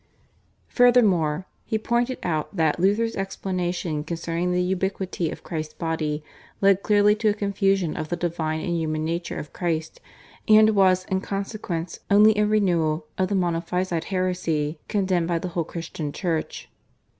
Furthermore, he pointed out that Luther's explanation concerning the ubiquity of Christ's body led clearly to a confusion of the divine and human nature of Christ, and was in consequence only a renewal of the Monophysite heresy, condemned by the whole Christian Church.